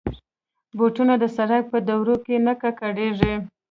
بوټونه د سړک په دوړو کې نه ککړېږي.